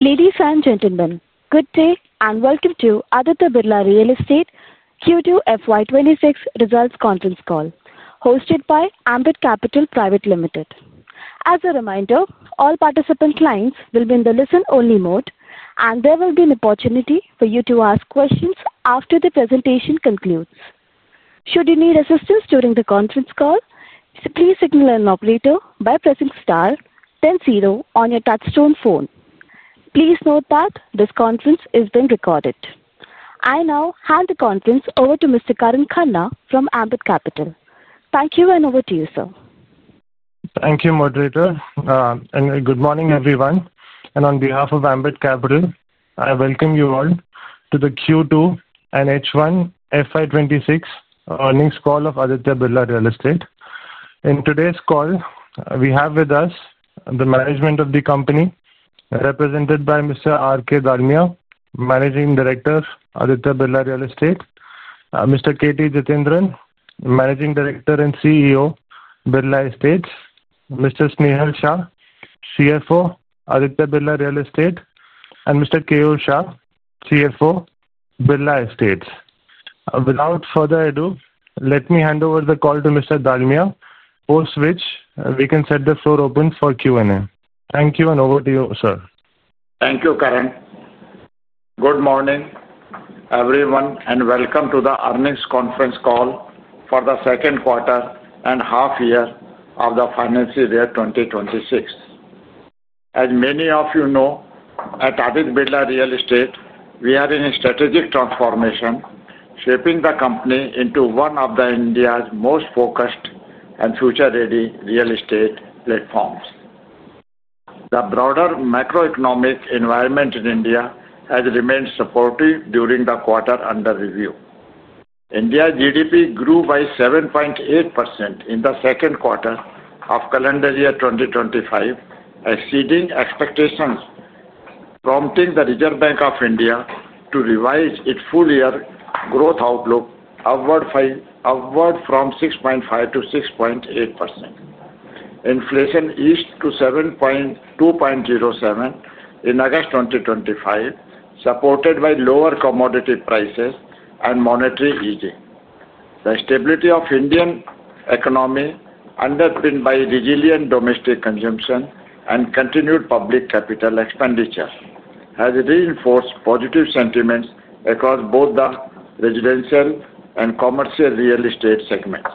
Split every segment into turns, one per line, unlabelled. Ladies and gentlemen, good day and welcome to Aditya Birla Real Estate Q2 FY 2026 results conference call hosted by Ambit Capital Private Limited. As a reminder, all participant lines will be in the listen-only mode, and there will be an opportunity for you to ask questions after the presentation concludes. Should you need assistance during the conference call, please signal an operator by pressing star ten zero on your touchstone phone. Please note that this conference is being recorded. I now hand the conference over to Mr. Karan Khanna from Ambit Capital. Thank you and over to you, sir.
Thank you, moderator. Good morning, everyone. On behalf of Ambit Capital, I welcome you all to the Q2 and H1 FY 2026 earnings call of Aditya Birla Real Estate. In today's call, we have with us the management of the company represented by Mr. R.K. Dalmia, Managing Director, Aditya Birla Real Estate, Mr. K.T. Jithendran, Managing Director and CEO, Birla Estates, Mr. Snehal Shah, CFO, Aditya Birla Real Estate, and Mr. Keyur Shah, CFO, Birla Estates. Without further ado, let me hand over the call to Mr. Dalmia, post which we can set the floor open for Q&A. Thank you and over to you, sir.
Thank you, Karan. Good morning, everyone, and welcome to the earnings conference call for the second quarter and half year of the financial year 2026. As many of you know, at Aditya Birla Real Estate, we are in a strategic transformation, shaping the company into one of India's most focused and future-ready real estate platforms. The broader macroeconomic environment in India has remained supportive during the quarter under review. India's GDP grew by 7.8% in the second quarter of calendar year 2025, exceeding expectations, prompting the Reserve Bank of India to revise its full-year growth outlook upward from 6.5% to 6.8%. Inflation eased to 7.20% in August 2025, supported by lower commodity prices and monetary easing. The stability of the Indian economy, underpinned by resilient domestic consumption and continued public capital expenditure, has reinforced positive sentiments across both the residential and commercial real estate segments.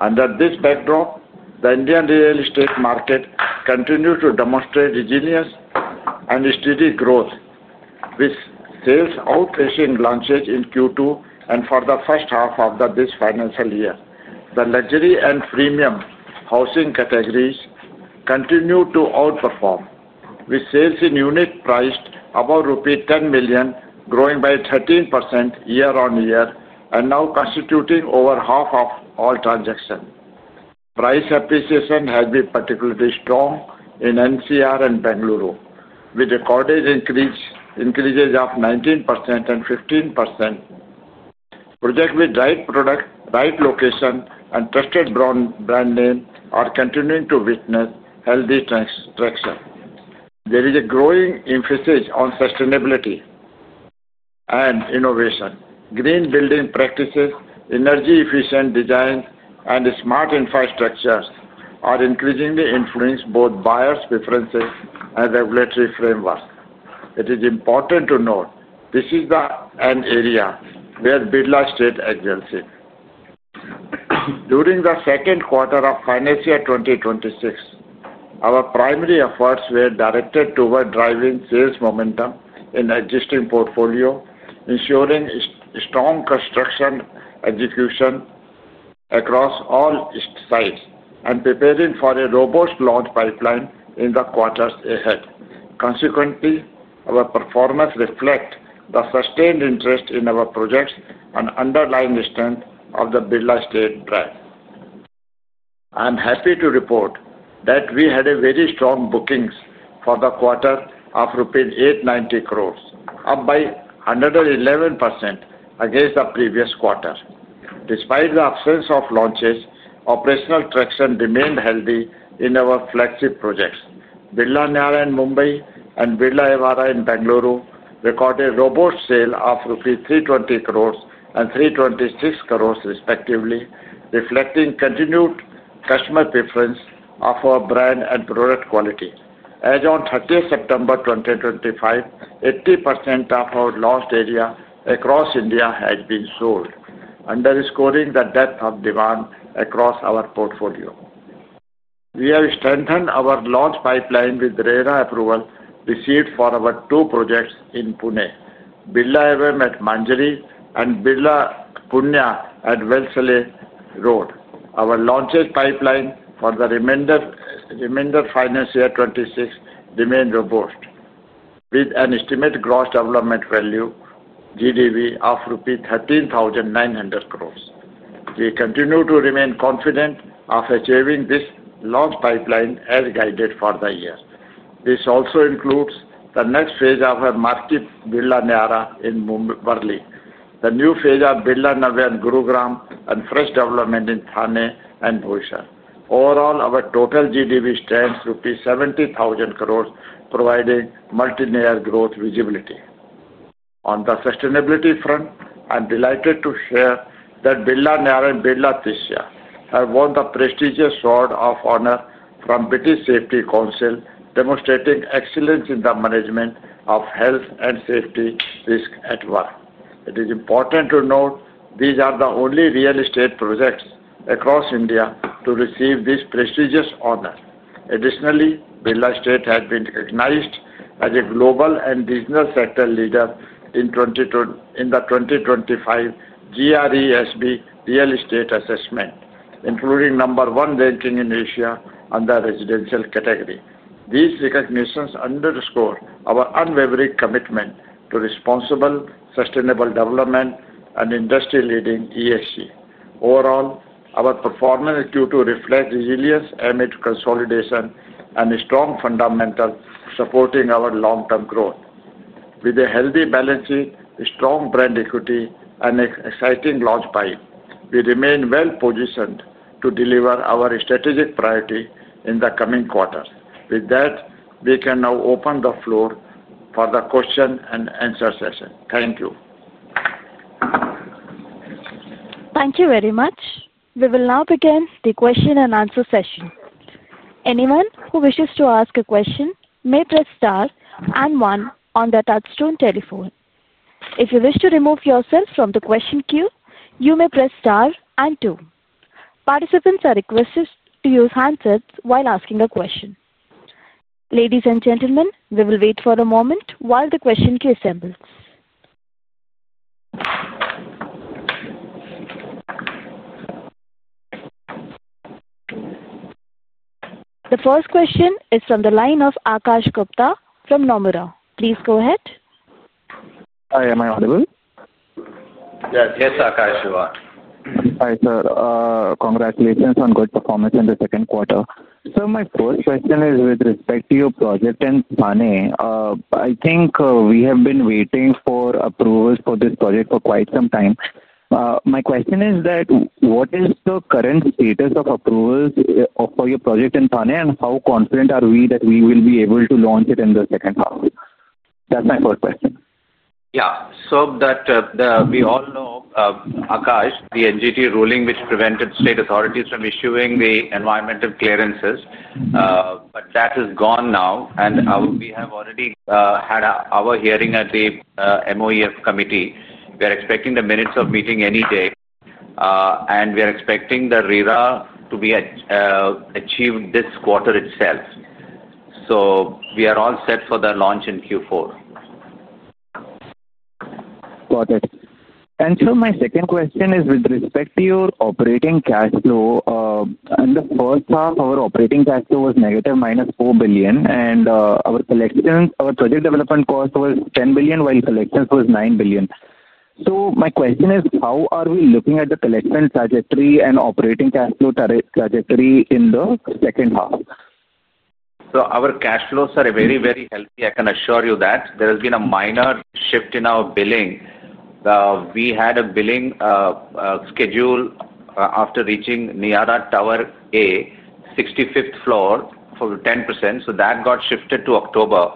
Under this backdrop, the Indian real estate market continues to demonstrate resilience and steady growth, with sales outpacing launches in Q2 and for the first half of this financial year. The luxury and premium housing categories continue to outperform, with sales in units priced above rupee 10 million, growing by 13% year-on-year and now constituting over half of all transactions. Price appreciation has been particularly strong in NCR and Bengaluru, with recorded increases of 19% and 15%. Projects with the right product, right location, and trusted brand name are continuing to witness healthy traction. There is a growing emphasis on sustainability and innovation. Green building practices, energy-efficient design, and smart infrastructures are increasingly influencing both buyers' preferences and regulatory frameworks. It is important to note this is an area where Birla Estates excels. During the second quarter of financial year 2026, our primary efforts were directed toward driving sales momentum in the existing portfolio, ensuring strong construction execution across all sites, and preparing for a robust launch pipeline in the quarters ahead. Consequently, our performance reflects the sustained interest in our projects and the underlying strength of the Birla Estates brand. I am happy to report that we had very strong bookings for the quarter of rupees 890 crore, up by 111% against the previous quarter. Despite the absence of launches, operational traction remained healthy in our flagship projects. Birla Niyaara in Mumbai and Birla Evara in Bengaluru recorded robust sales of rupees 320 crore and 326 crore, respectively, reflecting continued customer preference for our brand and product quality. As on 30th September 2025, 80% of our launched areas across India had been sold, underscoring the depth of demand across our portfolio. We have strengthened our launch pipeline with the RERA approval received for our two projects in Pune, Birla Evam at Manjri and Birla Punya at Wellesley Road. Our launches pipeline for the remainder of financial year 2026 remains robust, with an estimated gross development value (GDV) of rupee 13,900 crore. We continue to remain confident of achieving this launch pipeline as guided for the year. This also includes the next phase of our marquee Birla Niyaara in Mumbai, the new phase of Birla Navya in Gurugram, and fresh development in Thane and Bhuleshwar. Overall, our total GDV stands at 70,000 crore, providing multilayer growth visibility. On the sustainability front, I am delighted to share that Birla Niyaara and Birla Tisya have won the prestigious Sword of Honour from the British Safety Council, demonstrating excellence in the management of health and safety risks at work. It is important to note these are the only real estate projects across India to receive this prestigious honour. Additionally, Birla Estates has been recognized as a global and regional sector leader in the 2025 GRESB Real Estate Assessment, including number one ranking in Asia under the residential category. These recognitions underscore our unwavering commitment to responsible, sustainable development and industry-leading ESG. Overall, our performance in Q2 reflects resilience amid consolidation and strong fundamentals supporting our long-term growth. With a healthy balance sheet, strong brand equity, and an exciting launch pipeline, we remain well-positioned to deliver our strategic priority in the coming quarters. With that, we can now open the floor for the question and answer session. Thank you.
Thank you very much. We will now begin the question and answer session. Anyone who wishes to ask a question may press star and one on the touchstone telephone. If you wish to remove yourself from the question queue, you may press star and two. Participants are requested to use handsets while asking a question. Ladies and gentlemen, we will wait for a moment while the question queue assembles. The first question is from the line of Akash Gupta from Nomura. Please go ahead.
Hi, am I audible?
Yes, Akash, you are.
Hi, sir. Congratulations on good performance in the second quarter. Sir, my first question is with respect to your project in Thane. I think we have been waiting for approvals for this project for quite some time. My question is, what is the current status of approvals for your project in Thane, and how confident are we that we will be able to launch it in the second half? That's my first question.
Yeah. As we all know, Akash, the NGT ruling which prevented state authorities from issuing the environmental clearances is gone now. We have already had our hearing at the MoEF committee. We are expecting the minutes of meeting any day, and we are expecting the RERA to be achieved this quarter itself. We are all set for the launch in Q4.
Got it. Sir, my second question is with respect to your operating cash flow. In the first half, our operating cash flow was -4 billion. Our project development cost was 10 billion, while collections were 9 billion. My question is, how are we looking at the collection trajectory and operating cash flow trajectory in the second half?
Our cash flows, sir, are very, very healthy. I can assure you that. There has been a minor shift in our billing. We had a billing schedule after reaching Niyaara Tower A, 65th floor, for 10%. That got shifted to October,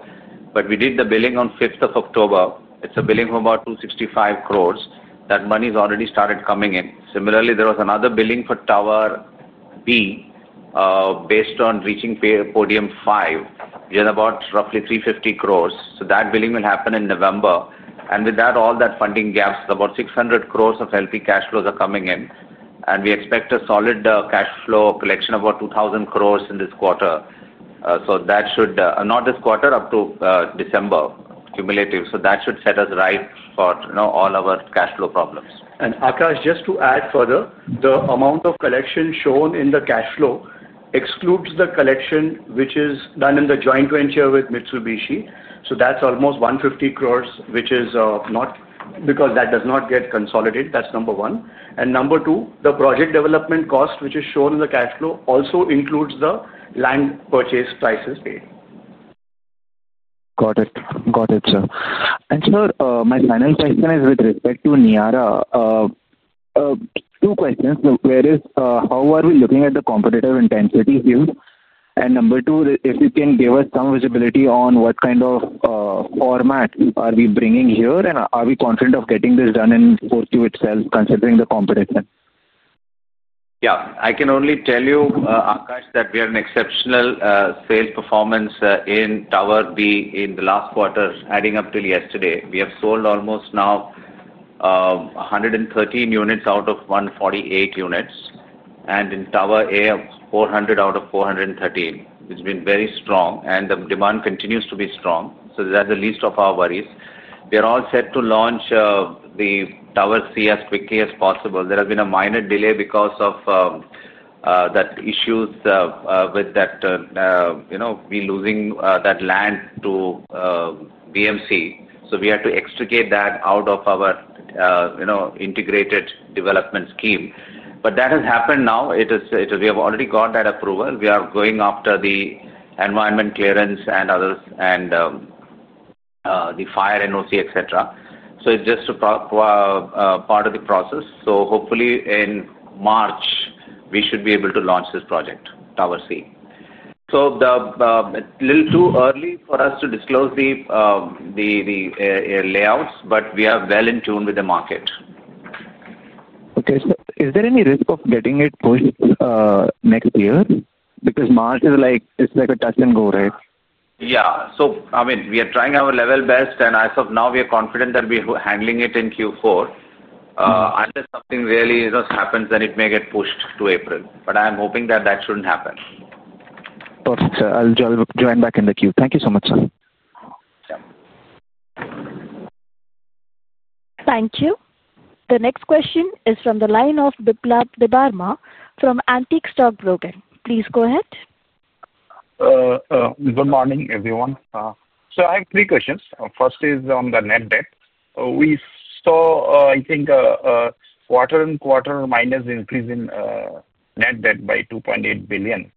but we did the billing on 5th of October. It's a billing of about 265 crore. That money has already started coming in. Similarly, there was another billing for Tower B based on reaching podium five, which is about roughly 350 crore. That billing will happen in November. With that, all that funding gaps, about 600 crore of healthy cash flows are coming in. We expect a solid cash flow collection of about 2,000 crore up to December cumulative. That should set us right for all our cash flow problems.
Akash, just to add further, the amount of collection shown in the cash flow excludes the collection which is done in the joint venture with Mitsubishi. That's almost 150 crore, which is not because that does not get consolidated. That's number one. Number two, the project development cost, which is shown in the cash flow, also includes the land purchase prices paid.
Got it. Got it, sir. Sir, my final question is with respect to Niyaara. Two questions. Where is, how are we looking at the competitive intensity here? Number two, if you can give us some visibility on what kind of format are we bringing here and are we confident of getting this done in Q2 itself, considering the competition?
Yeah. I can only tell you, Akash, that we are an exceptional sales performance in Tower B in the last quarter, adding up till yesterday. We have sold almost now 113 units out of 148 units. In Tower A, 400 out of 413. It's been very strong, and the demand continues to be strong. That's the least of our worries. We are all set to launch Tower C as quickly as possible. There has been a minor delay because of the issues with that, you know, we losing that land to BMC. We had to extricate that out of our integrated development scheme, but that has happened now. We have already got that approval. We are going after the environment clearance and others and the fire NOC, etc. It's just a part of the process. Hopefully, in March, we should be able to launch this project, Tower C. It's a little too early for us to disclose the layouts, but we are well in tune with the market.
Okay. Is there any risk of getting it pushed next year? Because March is like a touch and go, right?
We are trying our level best. As of now, we are confident that we are handling it in Q4. Unless something really just happens, it may get pushed to April. I am hoping that shouldn't happen.
Perfect, sir. I'll join back in the queue. Thank you so much, sir.
Thank you. The next question is from the line of Biplab Debbarma from Antique Stock Broking. Please go ahead.
Good morning, everyone. I have three questions. First is on the net debt. We saw, I think, a quarter-on-quarter increase in net debt by 2.8 billion.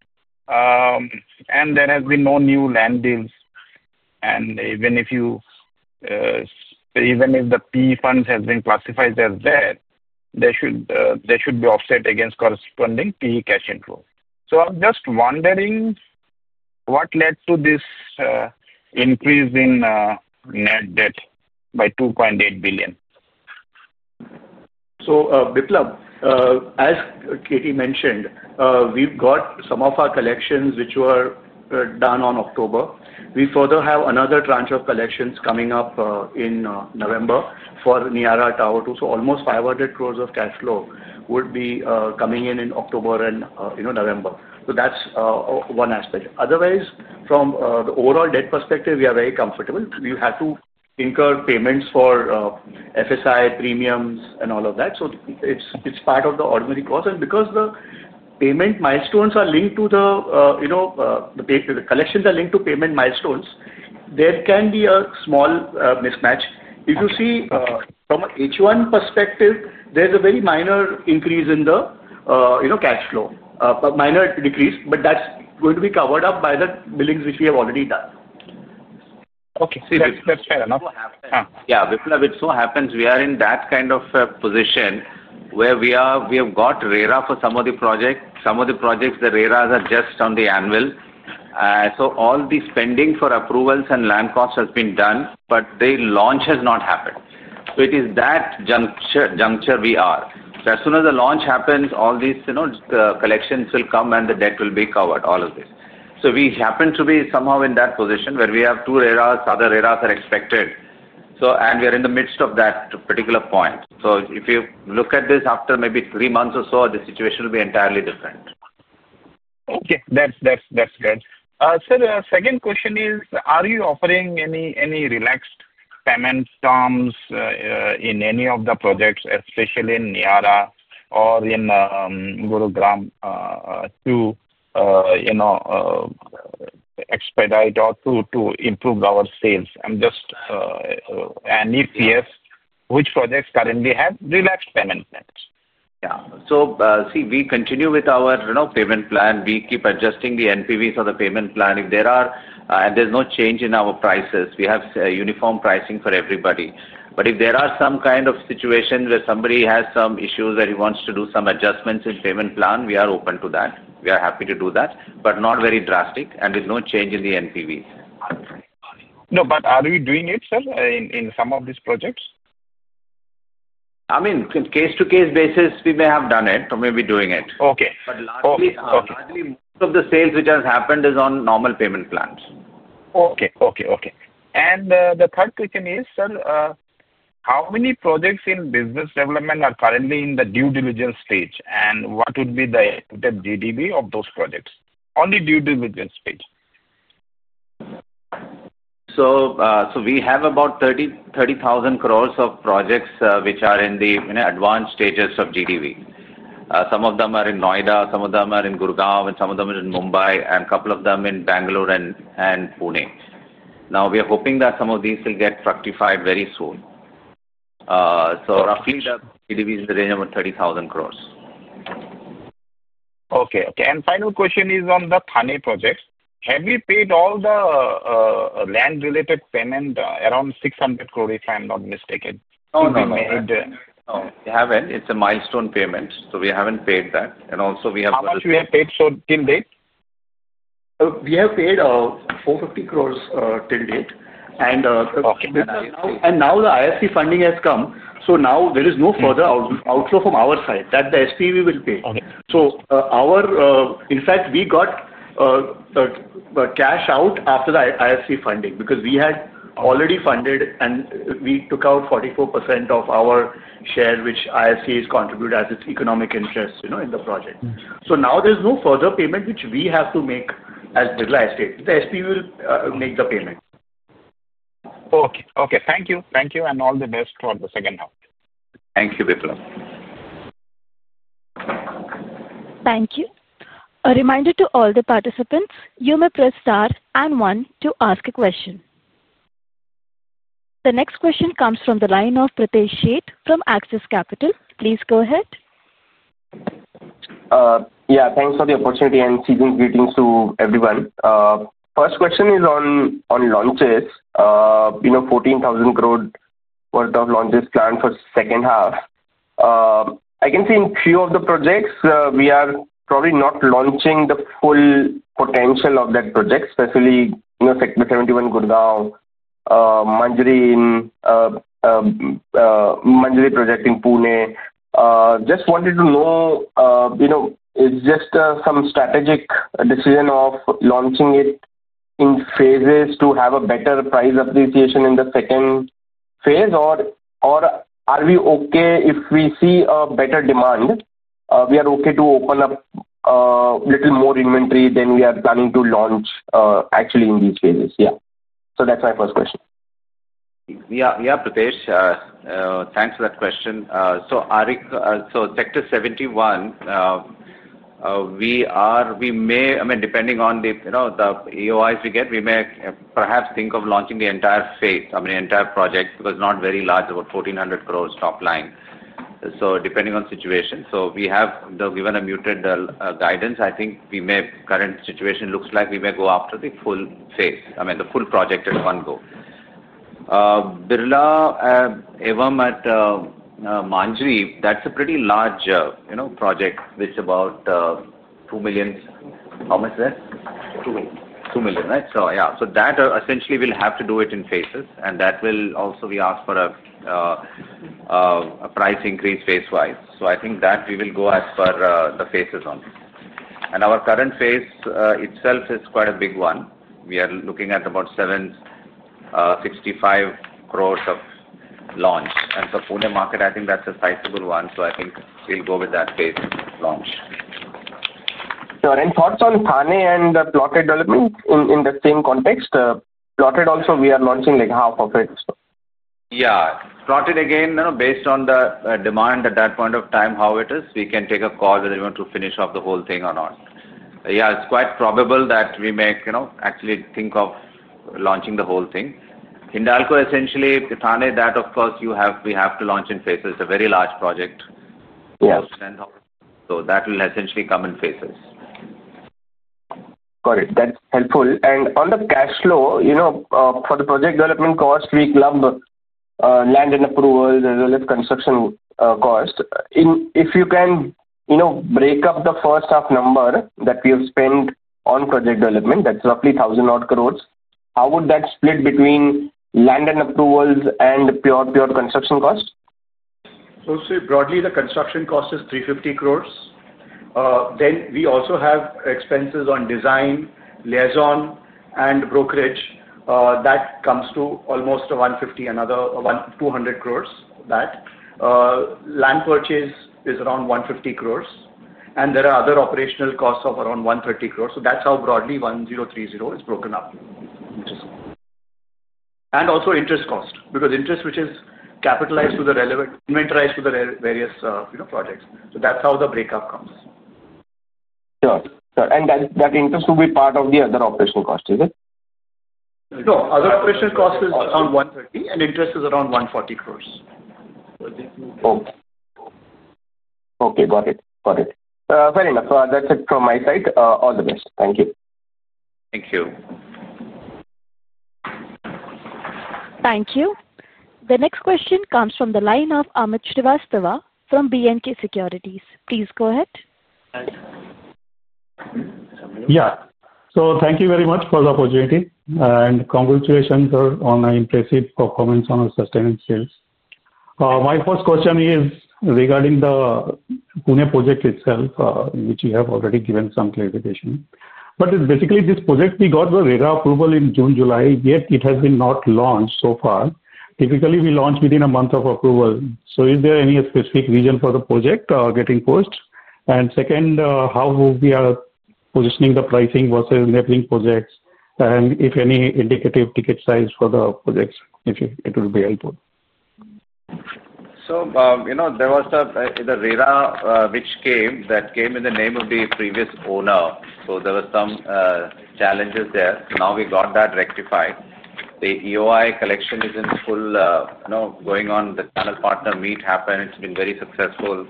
There have been no new land deals. Even if the PE funds have been classified as debt, they should be offset against corresponding PE cash inflow. I'm just wondering what led to this increase in net debt by INR 2.8 billion.
As K.T. mentioned, we've got some of our collections, which were done in October. We further have another tranche of collections coming up in November for Niyaara Tower 2. Almost 500 crore of cash flow would be coming in October and November. That's one aspect. Otherwise, from the overall debt perspective, we are very comfortable. We have to incur payments for FSI premiums and all of that. It's part of the ordinary cost. Because the payment milestones are linked to the collections, there can be a small mismatch. If you see from an H1 perspective, there's a very minor increase in the cash flow, a minor decrease. That's going to be covered up by the billings, which we have already done.
Okay, that's fair enough.
Yeah. Biplab, it so happens we are in that kind of position where we are, we have got RERA for some of the projects. Some of the projects, the RERAs are just on the annual. All the spending for approvals and land costs has been done, but the launch has not happened. It is that juncture we are. As soon as the launch happens, all these collections will come and the debt will be covered, all of this. We happen to be somehow in that position where we have two RERAs. Other RERAs are expected. We are in the midst of that particular point. If you look at this after maybe three months or so, the situation will be entirely different.
Okay. That's good. Sir, the second question is, are you offering any relaxed payment terms in any of the projects, especially in Niyaara or in Gurugram to expedite or to improve our sales? If yes, which projects currently have relaxed payment plans?
Yeah. We continue with our payment plan. We keep adjusting the NPVs of the payment plan. There is no change in our prices; we have uniform pricing for everybody. If there are situations where somebody has some issues and wants to do some adjustments in the payment plan, we are open to that. We are happy to do that, but not very drastic and with no change in the NPV.
No, are we doing it, sir, in some of these projects?
I mean, on a case-to-case basis, we may have done it or may be doing it.
Okay.
Largely, most of the sales which have happened are on normal payment plans.
Okay. Okay. The third question is, sir, how many projects in business development are currently in the due diligence stage? What would be the GDV of those projects? Only due diligence stage.
We have about 30,000 crore of projects which are in the advanced stages of GDV. Some of them are in Noida, some of them are in Gurugram, and some of them are in Mumbai, and a couple of them in Bengaluru and Pune. We are hoping that some of these will get rectified very soon. Roughly, the GDV is in the range of about 30,000 crore.
Okay. Okay. Final question is on the Thane projects. Have we paid all the land-related payment, around 600 crore, if I'm not mistaken?
No, we haven't. It's a milestone payment, so we haven't paid that. Also, we have the.
How much have we paid till date?
We have paid 450 crore till date. Now, the ISC funding has come, so there is no further outflow from our side. That's the SP we will pay. In fact, we got cash out after the ISC funding because we had already funded and we took out 44% of our share, which ISC has contributed as its economic interest in the project. Now, there's no further payment which we have to make as Birla Estates. The SP will make the payment.
Okay. Thank you. All the best for the second half.
Thank you, Biplab.
Thank you. A reminder to all the participants, you may press star and one to ask a question. The next question comes from the line of Pritesh Sheth from Axis Capital. Please go ahead.
Yeah. Thanks for the opportunity and season's greetings to everyone. First question is on launches. You know, 14,000 crore worth of launches planned for the second half. I can say in a few of the projects, we are probably not launching the full potential of that project, especially in the Sector 71, Gurugram, Manjri project in Pune. Just wanted to know, you know, is it just some strategic decision of launching it in phases to have a better price appreciation in the second phase? Are we okay if we see a better demand? We are okay to open up a little more inventory than we are planning to launch, actually, in these phases. Yeah. That's my first question.
Yeah, Pritesh. Thanks for that question. Sector 71, depending on the AOIs we get, we may perhaps think of launching the entire phase, the entire project because it's not very large, about 1,400 crore top line. Depending on the situation, we have given a muted guidance. I think the current situation looks like we may go after the full phase, the full project in one go. Birla Evam at Manjri, that's a pretty large project. It's about 2 million sq ft. How much is that?
2 million sq ft.
2 million sq ft, right? That essentially, we'll have to do it in phases. That will also be asked for a price increase phase-wise. I think that we will go as per the phases only. Our current phase itself is quite a big one. We are looking at about 765 crore of launch. For Pune market, I think that's a sizable one. I think we'll go with that phase launch.
Sir, any thoughts on Thane and the plotted development in the same context? Plotted also, we are launching like half of it.
Yeah. Plotted again, you know, based on the demand at that point of time, how it is, we can take a call whether we want to finish off the whole thing or not. Yeah, it's quite probable that we may actually think of launching the whole thing. Essentially, Thane, that, of course, we have to launch in phases. It's a very large project.
Yeah.
That will essentially come in phases.
Got it. That's helpful. On the cash flow, for the project development cost, we lumped land and approvals as well as construction cost. If you can break up the first half number that we have spent on project development, that's roughly 1,000 crore, how would that split between land and approvals and pure construction cost?
Broadly, the construction cost is 350 crore. We also have expenses on design, liaison, and brokerage. That comes to almost 150 crore, another 200 crore. The land purchase is around 150 crore, and there are other operational costs of around 130 crore. That's how broadly 1,030 crore is broken up. Also, interest cost because interest, which is capitalized to the relevant inventorized to the various projects. That's how the breakup comes.
Sure. Sure. That interest will be part of the other operational cost, is it?
No. Other operational cost is around 130 crore, and interest is around 140 crore.
Okay. Got it. Got it. Fair enough. That's it from my side. All the best. Thank you.
Thank you.
Thank you. The next question comes from the line of Amit Srivastava from B&K Securities. Please go ahead.
Thank you very much for the opportunity. Congratulations, sir, on an impressive performance on our sustained sales. My first question is regarding the Pune project itself, which you have already given some clarification. It's basically this project. We got the RERA approval in June, July, yet it has not been launched so far. Typically, we launch within a month of approval. Is there any specific reason for the project getting pushed? Second, how are we positioning the pricing versus enabling projects? If any indicative ticket size for the projects, it would be helpful.
There was the RERA which came in the name of the previous owner. There were some challenges there. Now we got that rectified. The EOI collection is in full, you know, going on. The channel partner meet happened. It's been very successful.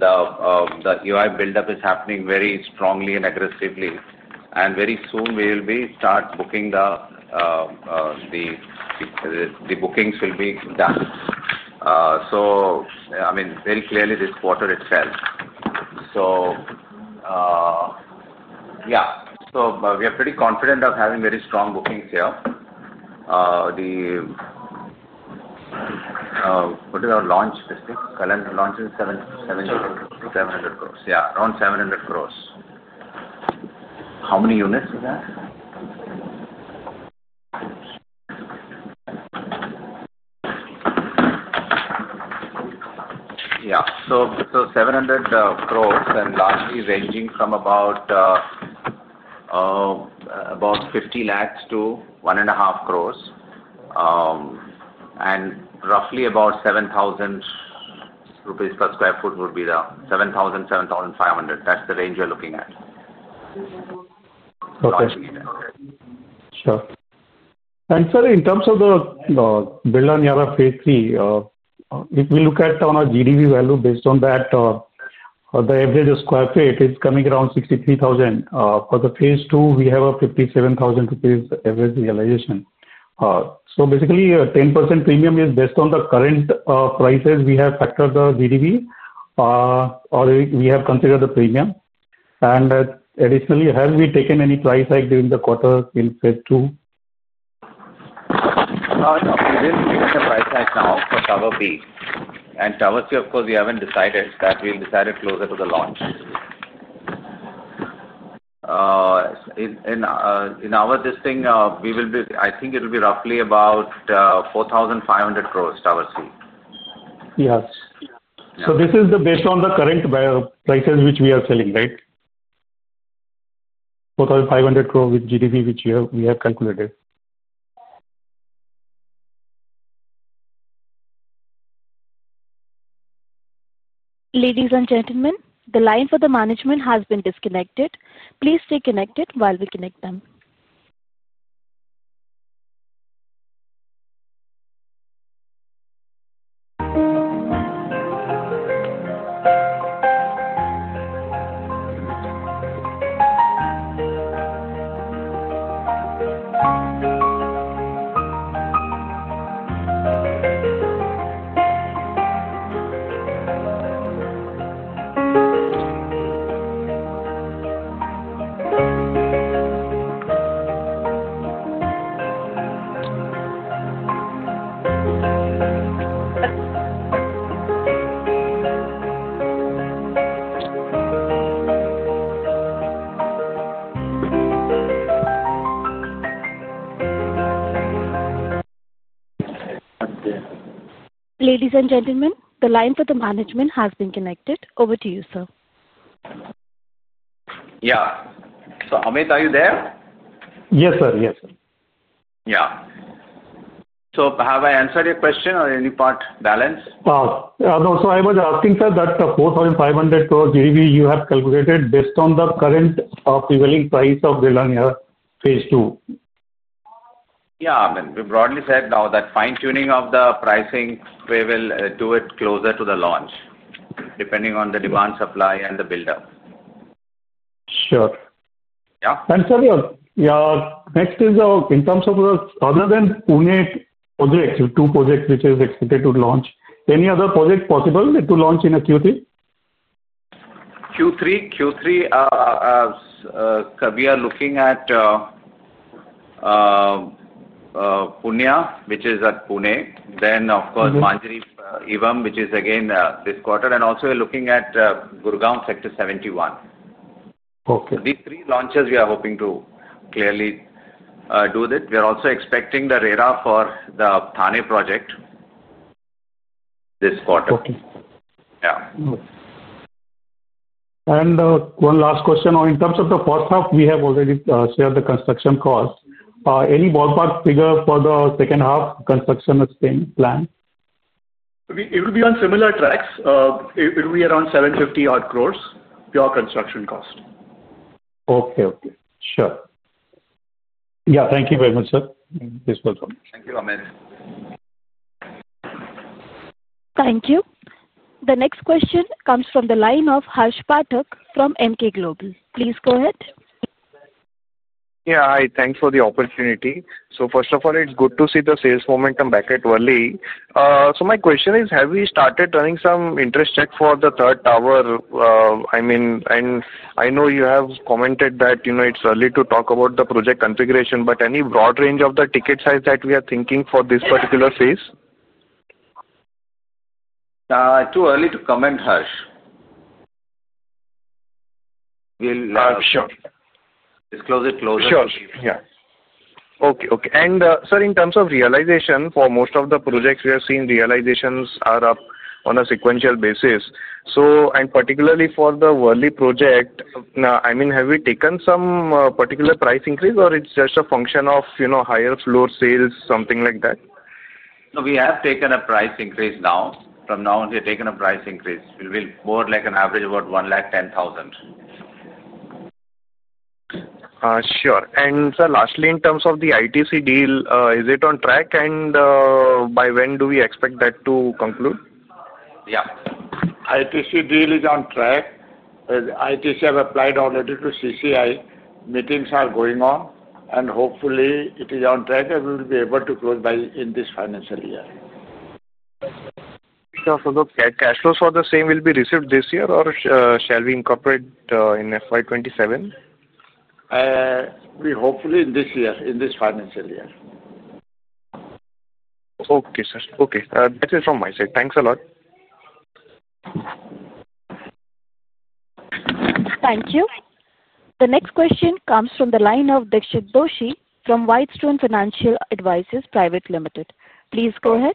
The EOI buildup is happening very strongly and aggressively. Very soon, we will start booking. The bookings will be done, I mean, very clearly this quarter itself. We are pretty confident of having very strong bookings here. What is our launch? The calendar launch is 700 crore. Yeah, around 700 crore. How many units is that? Yeah. So 700 crore, and largely ranging from about 50 lakh to 1.5 crore. Roughly about 7,000 rupees per sq ft would be the 7,000-7,500. That's the range we're looking at.
Okay. Sure. Sir, in terms of the Birla Niyaara phase III, if we look at our GDV value based on that, the average square feet is coming around 63,000. For the phase II, we have a 57,000 rupees average realization. Basically, a 10% premium is based on the current prices. We have factored the GDV, or we have considered the premium. Additionally, have we taken any price hike during the quarter in phase II?
No, no. We didn't take any price hike now for Tower B. Tower C, of course, we haven't decided. That we'll decide closer to the launch. In our listing, I think it will be roughly about 4,500 crore for Tower C.
Yes. This is based on the current prices which we are selling, right? 4,500 crore with GDV which we have calculated.
Ladies and gentlemen, the line for the management has been disconnected. Please stay connected while we connect them. Ladies and gentlemen, the line for the management has been connected. Over to you, sir.
Yeah, Amit, are you there?
Yes, sir. Yes, sir.
Yeah. Have I answered your question or any part balanced?
I was asking, sir, that 4,500 crore GDV you have calculated is based on the current prevailing price of Birla Niyaara phase II?
Yeah. I mean, we broadly said now that fine-tuning of the pricing, we will do it closer to the launch depending on the demand, supply, and the buildup.
Sure.
Yeah?
Sir, your next is in terms of the other than Pune project, two projects which are expected to launch, any other project possible to launch in Q3?
Q3, Q3, we are looking at Birla Punya, which is at Pune. Of course, Manjri Evam, which is again this quarter. Also, we're looking at Gurugram Sector 71.
Okay.
These three launches, we are hoping to clearly do that. We are also expecting the RERA for the Thane project this quarter.
Okay.
Yeah.
One last question. In terms of the first half, we have already shared the construction cost. Any ballpark figure for the second half construction is being planned?
It will be on similar tracks. It will be around 750 crore pure construction cost.
Okay. Thank you very much, sir. This was.
Thank you, Amit.
Thank you. The next question comes from the line of Harsh Pathak from Emkay Global. Please go ahead.
Yeah. Hi. Thanks for the opportunity. First of all, it's good to see the sales momentum back at Worli. My question is, have we started running some interest checks for the third tower? I know you have commented that it's early to talk about the project configuration, but any broad range of the ticket size that we are thinking for this particular phase?
Too early to comment, Harsh. We'll disclose it closer.
Sure. Okay. In terms of realization, for most of the projects, we have seen realizations are up on a sequential basis. For the Worli project, have we taken some particular price increase, or is it just a function of higher floor sales, something like that?
No, we have taken a price increase now. From now on, we're taking a price increase. It will be more like an average of about 1.1 trillion.
Sure. Sir, lastly, in terms of the ITC deal, is it on track? By when do we expect that to conclude?
Yeah. ITC deal is on track. ITC have applied already to CCI. Meetings are going on. Hopefully, it is on track, and we will be able to close in this financial year.
Sure. The cash flows for the same will be received this year, or shall we incorporate in FY 2027?
Hopefully, in this year, in this financial year.
Okay, sir. Okay. That is from my side. Thanks a lot.
Thank you. The next question comes from the line of Dixit Doshi from Whitestone Financial Advisors Private Limited. Please go ahead.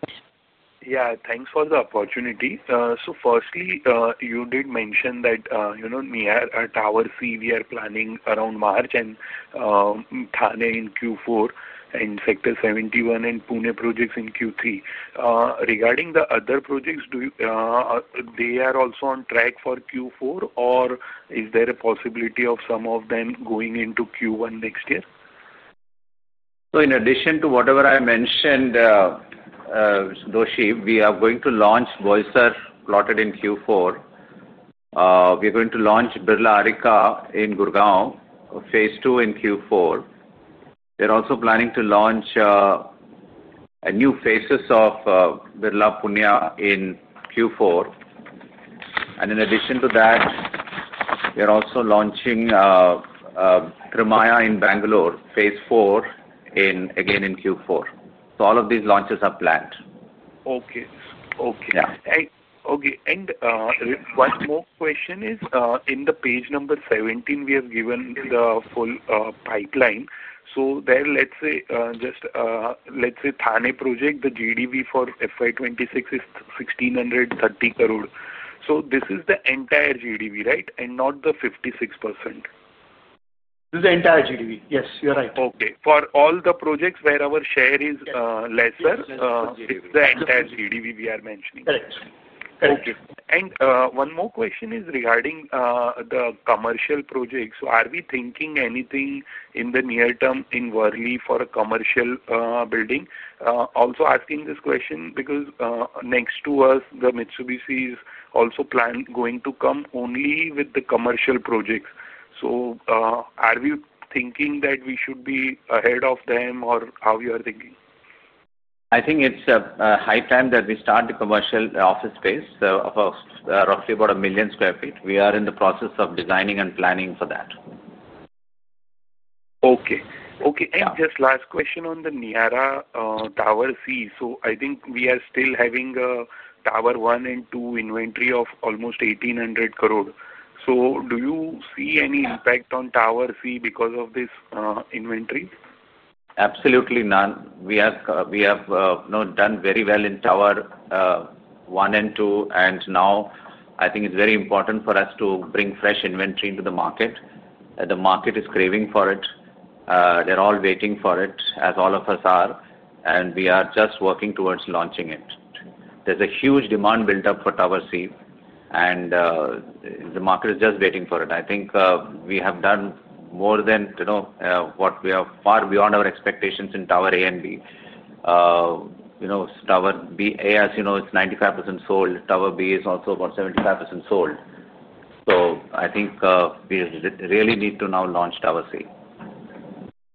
Thank you for the opportunity. Firstly, you did mention that Niyaara Tower C, we are planning around March and Thane in Q4 and Sector 71 and Pune projects in Q3. Regarding the other projects, are they also on track for Q4, or is there a possibility of some of them going into Q1 next year?
In addition to whatever I mentioned, Doshi, we are going to launch Boisar plotted in Q4. We are going to launch Birla Arika in Gurugram phase II in Q4. We're also planning to launch new phases of Birla Punya in Q4. In addition to that, we're also launching Trimaya phase IV in Bengaluru, again in Q4. All of these launches are planned.
Okay. Yeah. Okay. One more question is, in the page number 17, we have given the full pipeline. There, let's say, just let's say Thane project, the GDV for FY 2026 is INR 1,630 crore. This is the entire GDV, right, and not the 56%?
This is the entire GDV. Yes, you're right.
Okay. For all the projects where our share is lesser, the entire GDV we are mentioning.
Correct. Correct.
Okay. One more question is regarding the commercial projects. Are we thinking anything in the near term in Worli for a commercial building? I'm also asking this question because next to us, Mitsubishi is also planned, going to come only with the commercial projects. Are we thinking that we should be ahead of them, or how are we thinking?
I think it's high time that we start the commercial office space, so roughly about 1 million sq ft. We are in the process of designing and planning for that.
Okay. Okay. Just last question on the Niyaara Tower C. I think we are still having a Tower 1 and 2 inventory of almost 1,800 crore. Do you see any impact on Tower C because of this inventory?
Absolutely none. We have done very well in Tower 1 and 2. I think it's very important for us to bring fresh inventory into the market. The market is craving for it. They're all waiting for it, as all of us are. We are just working towards launching it. There's a huge demand buildup for Tower C, and the market is just waiting for it. I think we have done more than, you know, what we are far beyond our expectations in Tower A and B. Tower A, as you know, is 95% sold. Tower B is also about 75% sold. I think we really need to now launch Tower C.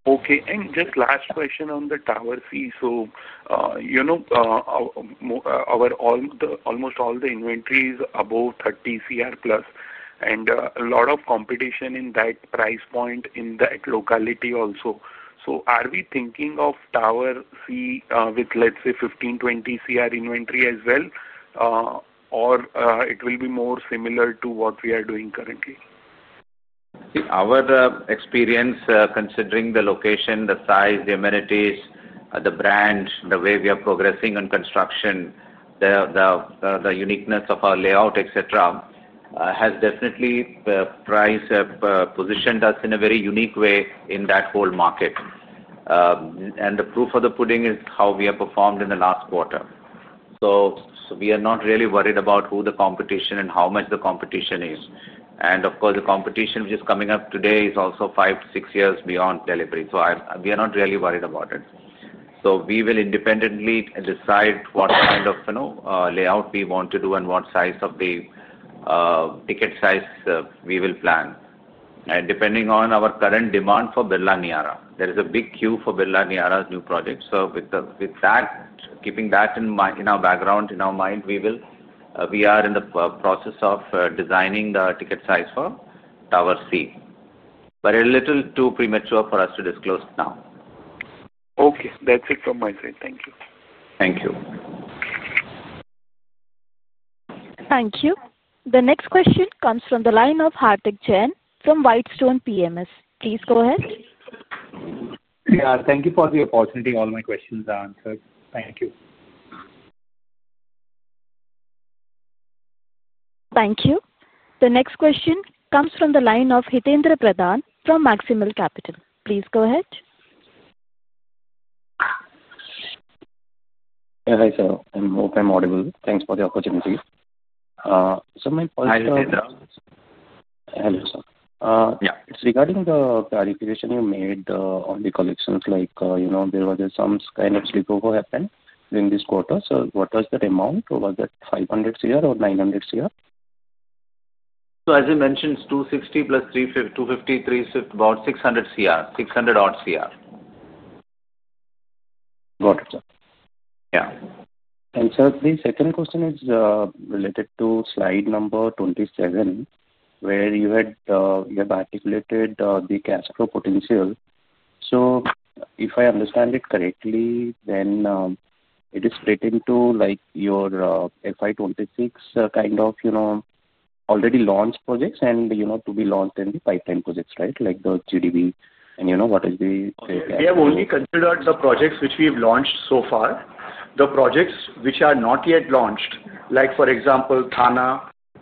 Okay. Just last question on the Tower C. You know almost all the inventory is above 30+ crore, and there is a lot of competition in that price point in that locality also. Are we thinking of Tower C with, let's say, 15 crore-20 crore inventory as well, or will it be more similar to what we are doing currently?
See, our experience, considering the location, the size, the amenities, the brand, the way we are progressing on construction, the uniqueness of our layout, has definitely positioned us in a very unique way in that whole market. The proof of the pudding is how we have performed in the last quarter. We are not really worried about who the competition is and how much the competition is. The competition, which is coming up today, is also five to six years beyond delivery. We are not really worried about it. We will independently decide what kind of layout we want to do and what size of the ticket size we will plan. Depending on our current demand for Birla Niyaara, there is a big queue for Birla Niyaara's new project. With that, keeping that in our background, in our mind, we are in the process of designing the ticket size for Tower C. It is a little too premature for us to disclose now.
Okay, that's it from my side. Thank you.
Thank you.
Thank you. The next question comes from the line of Hardik Jain from White Stone Financial. Please go ahead.
Thank you for the opportunity. All my questions are answered. Thank you.
Thank you. The next question comes from the line of Hitaindra Pradhan from Maximal Capital. Please go ahead.
Hi, sir. I hope I'm audible. Thanks for the opportunity. My question.
Hi, Hitaindra.
Hello, sir. Yeah. It's regarding the clarification you made on the collections. Like, you know, there was some kind of slipover happened during this quarter. What was that amount? Was that 500 crore or 900 crore?
It's 260 crore + 250 crore, about 600 crore, 600-odd crore.
Got it, sir.
Yeah.
Sir, the second question is related to slide number 27, where you have articulated the cash flow potential. If I understand it correctly, then it is split into your FY 2026 kind of already launched projects and to be launched in the pipeline projects, right? Like the GDV and what is the?
We have only considered the projects which we have launched so far. The projects which are not yet launched, like for example, Thane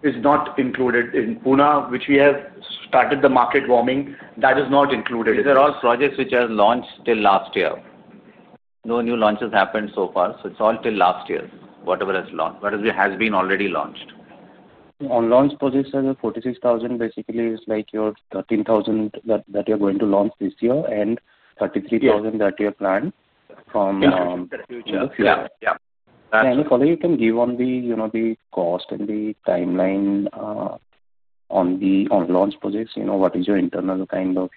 is not included. In Pune, which we have started the market warming, that is not included.
These are all projects which are launched till last year. No new launches happened so far. It's all till last year, whatever has been already launched.
On launch projects, sir, the 46,000 basically is like your 13,000 that you're going to launch this year and 33,000 that you're planned from the future.
Yeah. Yeah.
Could you give a follow-up on the cost and the timeline on the launch projects? What is your internal kind of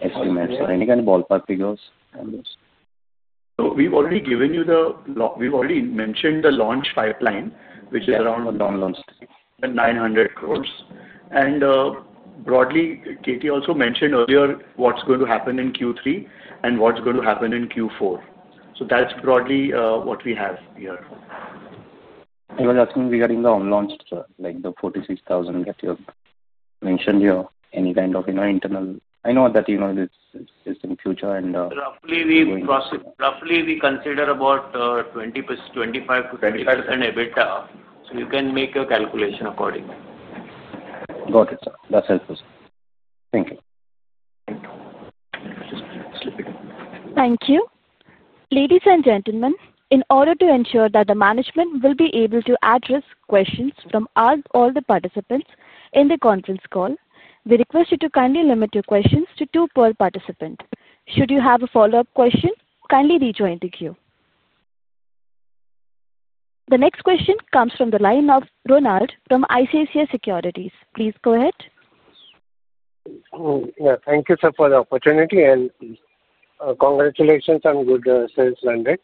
estimates or any kind of ballpark figures on this?
We've already mentioned the launch pipeline, which is around 900 crore. Broadly, K.T. also mentioned earlier what's going to happen in Q3 and what's going to happen in Q4. That's broadly what we have here.
I was asking regarding the on launch, sir, like the 46,000 that you mentioned here, any kind of, you know, internal. I know that, you know, it's in the future.
Roughly, we consider about 25% EBITDA, so you can make your calculation accordingly.
Got it, sir. That's helpful, sir. Thank you.
Thank you. Ladies and gentlemen, in order to ensure that the management will be able to address questions from all the participants in the conference call, we request you to kindly limit your questions to two per participant. Should you have a follow-up question, kindly rejoin the queue. The next question comes from the line of Ronald from ICICI Securities. Please go ahead.
Thank you, sir, for the opportunity. Congratulations on good sales run rate.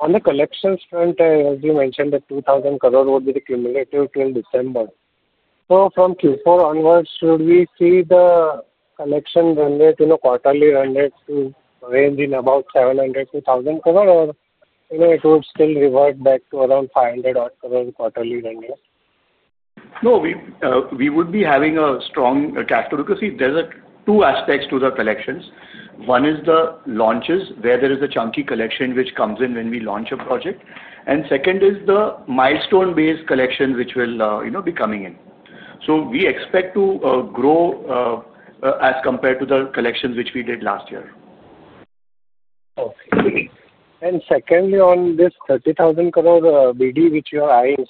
On the collections front, as you mentioned, the 2,000 crore would be the cumulative till December. From Q4 onwards, should we see the collection run rate, you know, quarterly run rate to range in about 700-1,000 crore? Or, you know, it would still revert back to around 500-odd crore quarterly run rate?
No, we would be having a strong cash flow because there are two aspects to the collections. One is the launches where there is a chunky collection which comes in when we launch a project. The second is the milestone-based collection which will be coming in. We expect to grow as compared to the collections which we did last year.
Okay. Secondly, on this 30,000 crore BD which you're eyeing,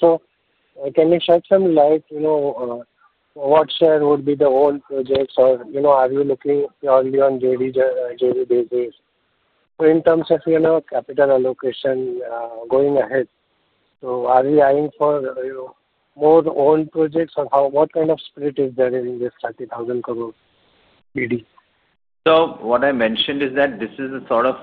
can you shed some light, you know, what share would be the owned projects? Are you looking purely on JV basis? In terms of capital allocation going ahead, are we eyeing for more owned projects? What kind of split is there in this 30,000 crore BD?
What I mentioned is that this is a sort of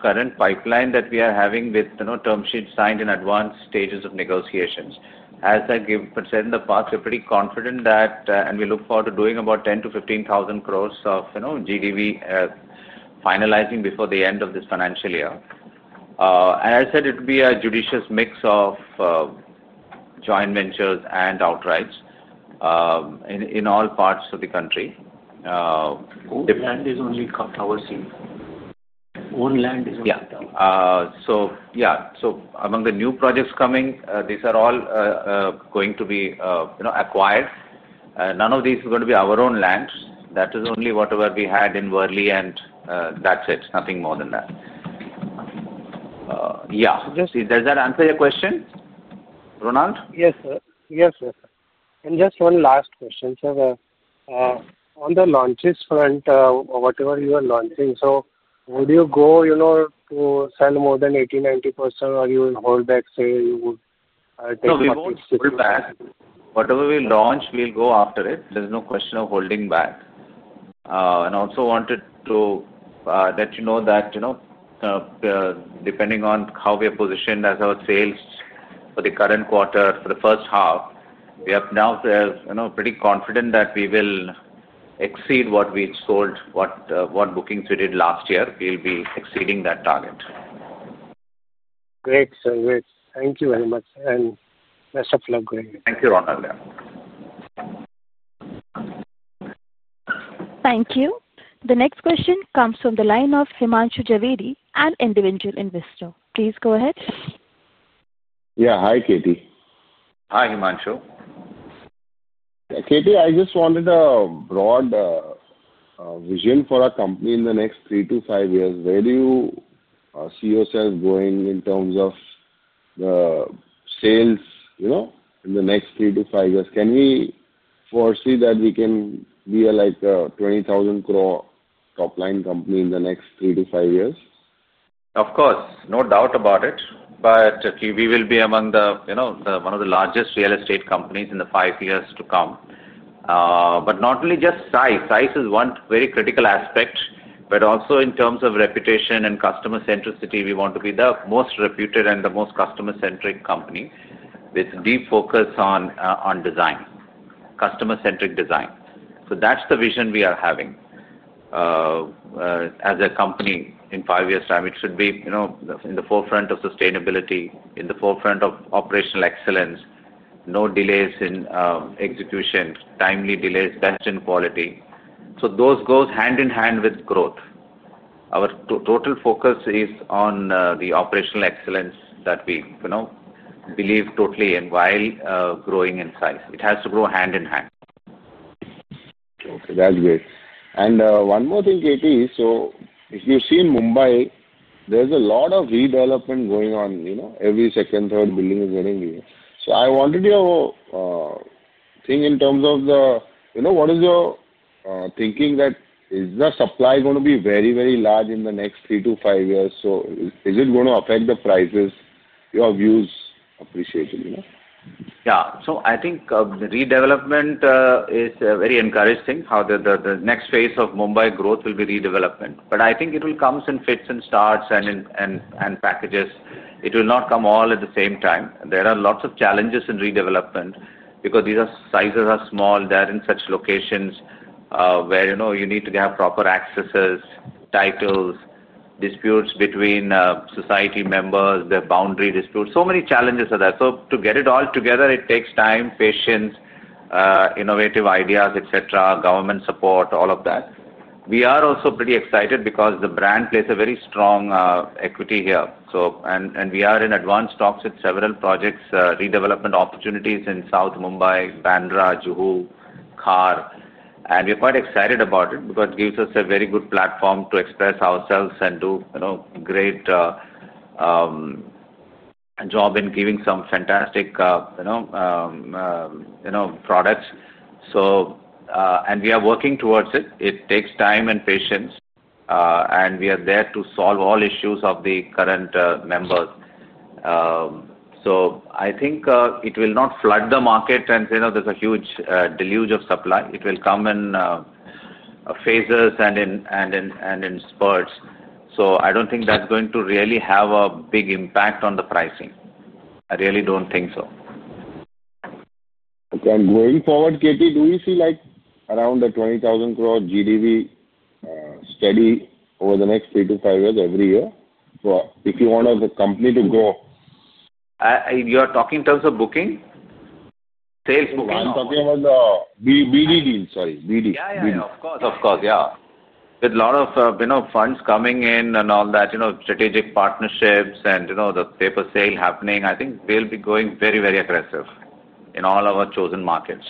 current pipeline that we are having with term sheets signed in advanced stages of negotiations. As I've said in the past, we're pretty confident that we look forward to doing about 10,000-15,000 crore of GDV, finalizing before the end of this financial year. I said it would be a judicious mix of joint ventures and outrights in all parts of the country.
Own land is only Tower C. Own land is only Tower.
Yeah. Among the new projects coming, these are all going to be, you know, acquired. None of these is going to be our own land. That is only whatever we had in Worli, and that's it. Nothing more than that. Yeah. Does that answer your question, Ronald?
Yes, sir. Yes, sir. Just one last question, sir. On the launches front, whatever you are launching, would you go to sell more than 80% or 90%? Or would you hold back, say you would take a launch?
No, we won't hold back. Whatever we launch, we'll go after it. There's no question of holding back. I also wanted to let you know that, depending on how we are positioned as our sales for the current quarter, for the first half, we are now pretty confident that we will exceed what we sold, what bookings we did last year. We'll be exceeding that target.
Great, sir. Great. Thank you very much. Best of luck.
Thank you, Ronald.
Thank you. The next question comes from the line of Himanshu Javedi, an individual investor. Please go ahead. Yeah. Hi, K.T.
Hi, Himanshu. K.T., I just wanted a broad vision for our company in the next three to five years. Where do you see yourself going in terms of the sales in the next three to five years? Can we foresee that we can be a, like, 20,000 crore top-line company in the next three to five years? Of course. No doubt about it. We will be among one of the largest real estate companies in the five years to come. Not only just size. Size is one very critical aspect, but also in terms of reputation and customer-centricity, we want to be the most reputed and the most customer-centric company with deep focus on design, customer-centric design. That's the vision we are having. As a company, in five years' time, it should be in the forefront of sustainability, in the forefront of operational excellence, no delays in execution, timely delivery, best in quality. Those go hand in hand with growth. Our total focus is on the operational excellence that we believe totally in while growing in size. It has to grow hand in hand. Okay. That's great. One more thing, K.T. If you see in Mumbai, there's a lot of redevelopment going on, you know, every second, third building is getting real. I wanted your thoughts in terms of what is your thinking, is the supply going to be very, very large in the next three to five years? Is it going to affect the prices? Your views, appreciate it. Yeah. I think the redevelopment is very encouraging. The next phase of Mumbai growth will be redevelopment. I think it will come in fits and starts and in packages. It will not come all at the same time. There are lots of challenges in redevelopment because these sizes are small. They're in such locations where you need to have proper accesses, titles, disputes between society members, the boundary disputes. So many challenges are there. To get it all together, it takes time, patience, innovative ideas, government support, all of that. We are also pretty excited because the brand plays a very strong equity here. We are in advanced talks with several projects, redevelopment opportunities in South Mumbai, Bandra, Juhu, Khar. We're quite excited about it because it gives us a very good platform to express ourselves and do a great job in giving some fantastic products. We are working towards it. It takes time and patience, and we are there to solve all issues of the current members. I think it will not flood the market and say there's a huge deluge of supply. It will come in phases and in spurts. I don't think that's going to really have a big impact on the pricing. I really don't think so. Okay. Going forward, K.T., do we see like around the 20,000 crore GDV, steady over the next three to five years every year? If you want the company to grow. You are talking in terms of booking? Sales booking? I'm talking about the BD deals, sorry, BD. Of course. With a lot of funds coming in and strategic partnerships and the paper sale happening, I think we'll be going very, very aggressive in all of our chosen markets.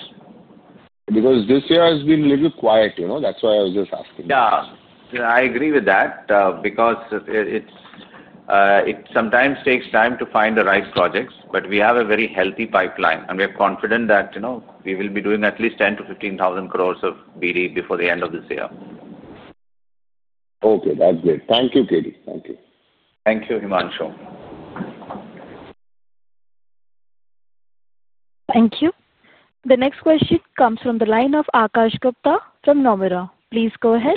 Because this year has been a little quiet, you know. That's why I was just asking. Yeah, I agree with that because it sometimes takes time to find the right projects. We have a very healthy pipeline, and we are confident that we will be doing at least 10,000-15,000 crore of BD before the end of this year. Okay. That's great. Thank you, K.T. Thank you. Thank you, Himanshu.
Thank you. The next question comes from the line of Akash Gupta from Nomura. Please go ahead.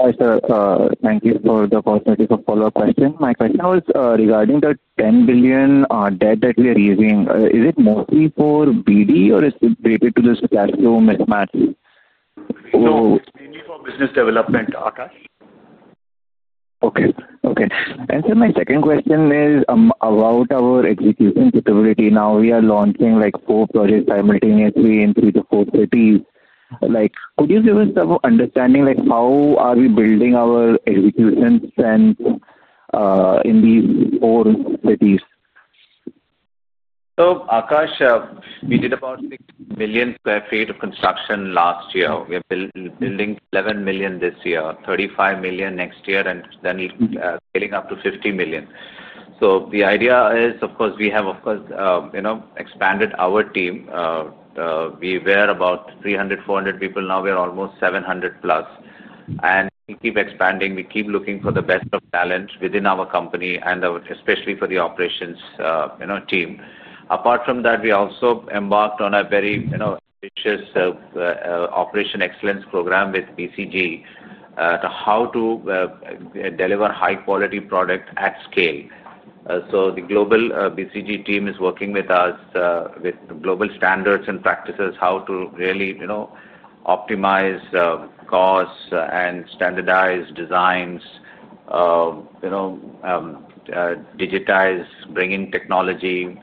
Hi, sir. Thank you for the opportunity for a follow-up question. My question was regarding the 10 billion debt that we are using. Is it mostly for BD, or is it related to this platform mismatch?
No, it's mainly for business development, Akash.
Okay. Sir, my second question is about our execution capability. Now, we are launching like four projects simultaneously in three to four cities. Could you give us some understanding, like, how are we building our execution spend in these four cities?
Akash, we did about 6 million sq ft of construction last year. We are building 11 million sq ft this year, 35 million sq ft next year, and then scaling up to 50 million sq ft. The idea is, of course, we have expanded our team. We were about 300, 400 people. Now we are almost 700+, and we keep expanding. We keep looking for the best of talent within our company and especially for the operations team. Apart from that, we also embarked on a very ambitious operation excellence program with BCG to deliver high-quality product at scale. The global BCG team is working with us with global standards and practices, how to really optimize costs and standardize designs, digitize, bringing technology,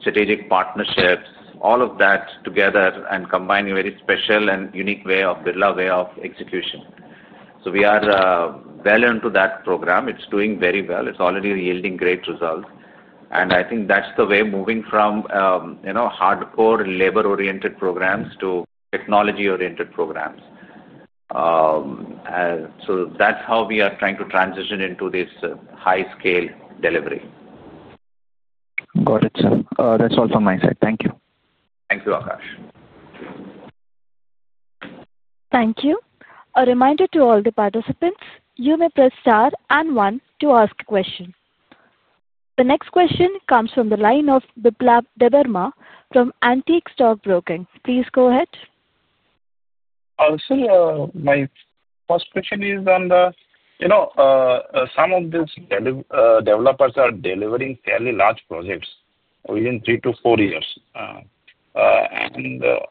strategic partnerships, all of that together and combining a very special and unique way of Birla way of execution. We are well into that program. It's doing very well. It's already yielding great results. I think that's the way moving from hardcore labor-oriented programs to technology-oriented programs. That's how we are trying to transition into this high-scale delivery.
Got it, sir. That's all from my side. Thank you.
Thank you, Akash.
Thank you. A reminder to all the participants, you may press star and one to ask a question. The next question comes from the line of Biplab Debbarma from Antique Stock Broking. Please go ahead.
Sir, my first question is on the, you know, some of these developers are delivering fairly large projects within three to four years.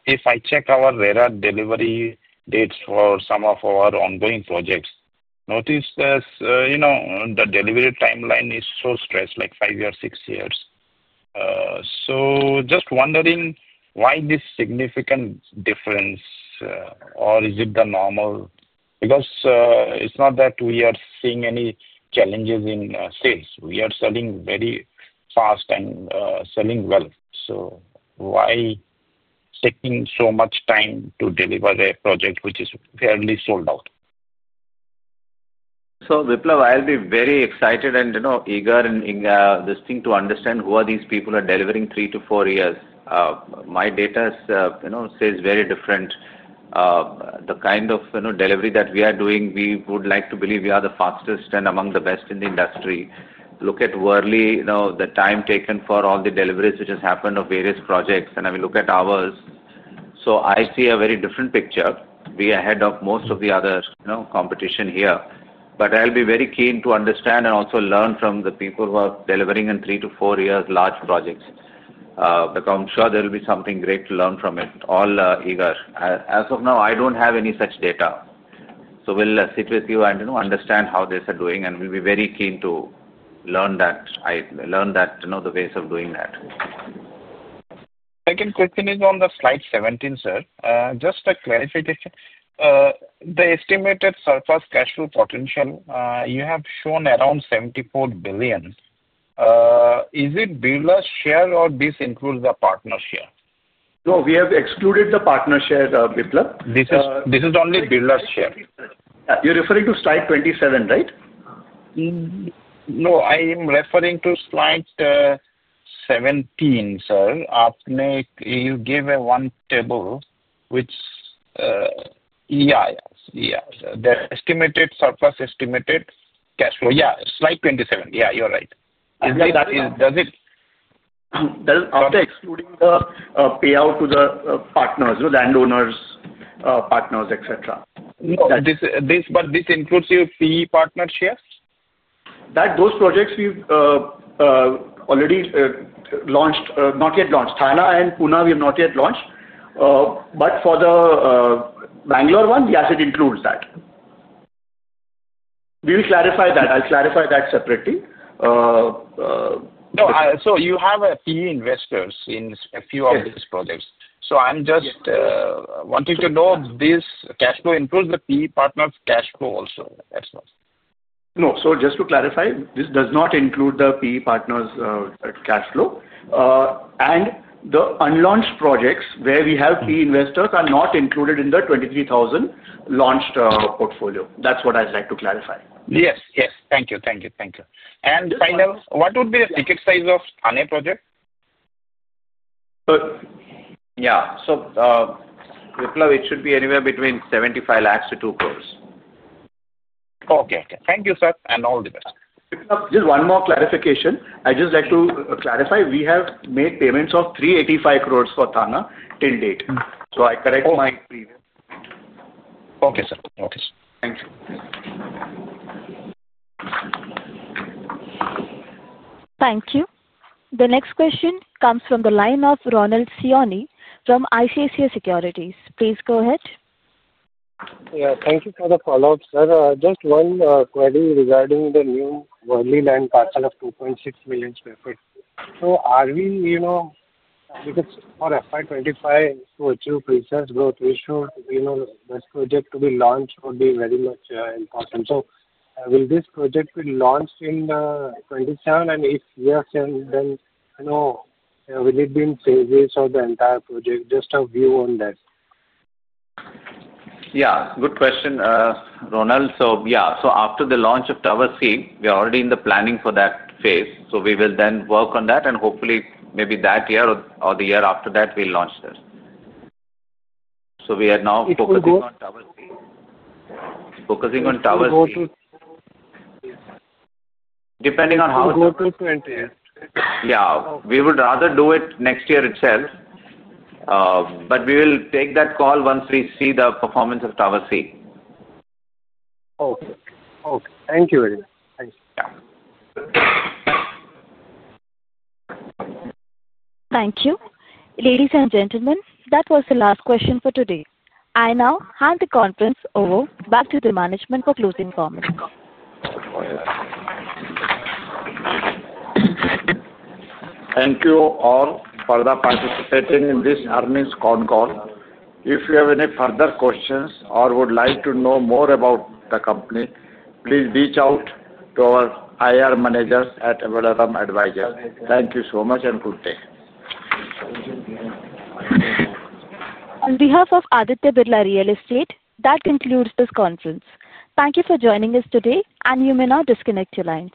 If I check our RERA delivery dates for some of our ongoing projects, I notice that, you know, the delivery timeline is so stressed, like five years, six years. I am just wondering why this significant difference, or is it the normal? It is not that we are seeing any challenges in sales. We are selling very fast and selling well. Why is it taking so much time to deliver a project which is fairly sold out?
I’ll be very excited and eager in this thing to understand who are these people who are delivering three to four years. My data says very different. The kind of delivery that we are doing, we would like to believe we are the fastest and among the best in the industry. Look at Worli, the time taken for all the deliveries which has happened of various projects. I mean, look at ours. I see a very different picture. We are ahead of most of the other competition here. I’ll be very keen to understand and also learn from the people who are delivering in three to four years large projects. I’m sure there will be something great to learn from it. All eager. As of now, I don’t have any such data. We’ll sit with you and understand how this is doing. We’ll be very keen to learn the ways of doing that.
Second question is on the slide 17, sir. Just a clarification. The estimated surplus cash flow potential, you have shown around 74 billion. Is it Birla's share or this includes the partners here?
No, we have excluded the partnership, Biplab.
This is only Birla's share.
You're referring to slide 27, right?
No, I am referring to slide 17, sir. You gave one table, which, yeah, the estimated surplus, estimated cash flow. Yeah, slide 27. Yeah, you're right. Does it?
That is after excluding the payout to the partners, landowners, partners, etc., that's.
Does this include your PE partnerships?
Those projects we've already launched, not yet launched. Thane and Pune, we have not yet launched. For the Bengaluru one, yes, it includes that. We will clarify that. I'll clarify that separately.
You have PE investors in a few of these projects. I'm just wanting to know if this cash flow includes the PE partners' cash flow also, as well.
No, just to clarify, this does not include the PE partners' cash flow. The unlaunched projects where we have PE investors are not included in the 23,000 million launched portfolio. That's what I'd like to clarify.
Yes, thank you. Thank you. Finally, what would be the ticket size of Thane project?
Yeah, Biplab, it should be anywhere between 75 lakh-2 crore.
Okay. Thank you, sir, and all the best.
Just one more clarification. I'd just like to clarify. We have made payments of 385 crore for Thane till date. I correct my previous.
Okay, sir. Okay, sir.
Thank you.
Thank you. The next question comes from the line of Ronald Siyoni from ICICI Securities. Please go ahead.
Thank you for the follow-up, sir. Just one query regarding the new Worli land parcel of 2.6 million sq ft. Are we, you know, because for FY 2025 to achieve research growth ratio, you know, the best project to be launched would be very much important. Will this project be launched in 2027? If yes, will it be in phases or the entire project? Just a view on that.
Yeah, good question, Ronald. After the launch of Tower C, we are already in the planning for that phase. We will then work on that, and hopefully, maybe that year or the year after that, we'll launch this. We are now focusing on Tower C. Depending on how it goes, yeah. Yeah, we would rather do it next year itself. We will take that call once we see the performance of Tower C.
Okay. Thank you very much.
Yeah.
Thank you. Ladies and gentlemen, that was the last question for today. I now hand the conference over back to the management for closing comments.
Thank you all for participating in this earnings con call. If you have any further questions or would like to know more about the company, please reach out to our IR managers at Aditya Birla Real Estate. Thank you so much and good day.
On behalf of Aditya Birla Real Estate, that concludes this conference. Thank you for joining us today, and you may now disconnect the lines.